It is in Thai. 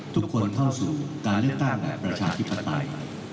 เข้าสู่การเลือกตั้งแบบประชาธิปไตย